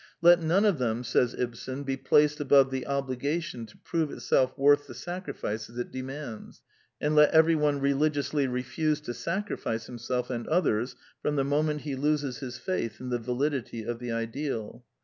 Let none of them, says Ibsen, be placed above the obli gation to prove itself worth the sacrifices it de mands; and let everyone religiously refuse to sacrifice himself and others from the moment he loses his faith in the validity of the ideal.